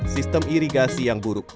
sistem irigasi yang buruk